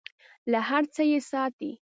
له هر څه یې ساتي .